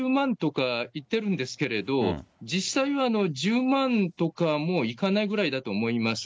こうしょうでも何十万とか言ってるんですけれど、実際は、１０万とかもいかないぐらいだと思います。